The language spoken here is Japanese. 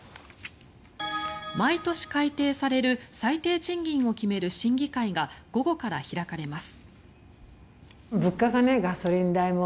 毎年改定される最低賃金を決める審議会が午後から開かれます。